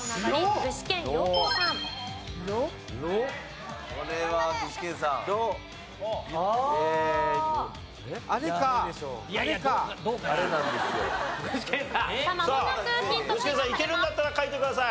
具志堅さんいけるんだったら書いてください。